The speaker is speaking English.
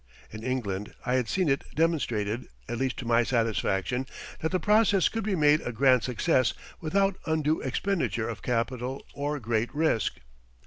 In England I had seen it demonstrated, at least to my satisfaction, that the process could be made a grand success without undue expenditure of capital or great risk.